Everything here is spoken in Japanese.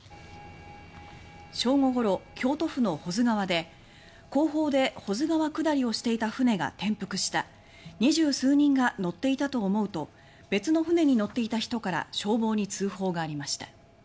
正午ごろ、京都の保津川で「後方で保津川下りをしていた舟が転覆した２０数人が乗っていたと思う」と別の舟に乗っていた人から消防に通報がありました。